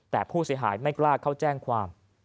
แต่ผู้เสียหายไม่กล้าเข้าแจ้งความ